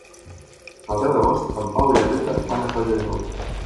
El deu d'agost en Pau i na Rita van a Colldejou.